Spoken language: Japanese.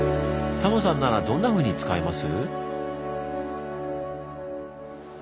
タモさんならどんなふうに使います？